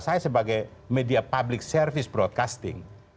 saya sebagai media public service broadcasting